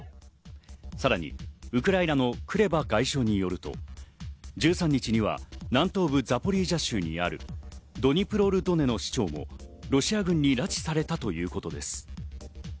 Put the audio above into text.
さらにウクライナのクレバ外相によると、１３日には南東部ザポリージャ州にある、ドニプロルドネの市長もロシア軍に拉致されたということです。